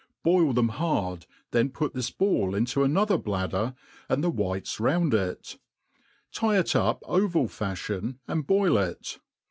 Boil them hard^ then put this ball into another bladder, and the whiter round.it; tie it up oval fj^fbion, and boil it.